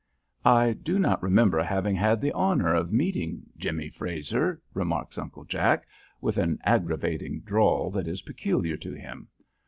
"I do not remember having had the honor of meeting Jimmy Frazer," remarks Uncle Jack, with an aggravating drawl that is peculiar to him.